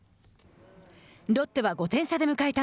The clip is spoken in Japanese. ロッテは５点差で迎えた